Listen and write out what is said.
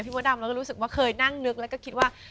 มดดำเราก็รู้สึกว่าเคยนั่งนึกแล้วก็คิดว่า